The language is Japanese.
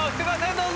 どうぞ。